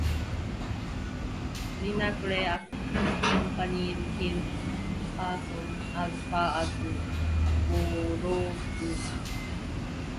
Linacre accompanied his patron as far as Bologna.